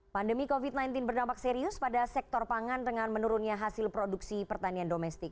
pandemi covid sembilan belas berdampak serius pada sektor pangan dengan menurunnya hasil produksi pertanian domestik